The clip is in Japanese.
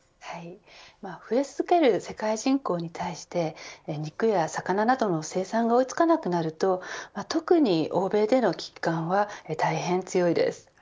増え続ける世界人口に対して肉や魚などの生産が追いつかなくなると特に、欧米での危機感は大変強いです。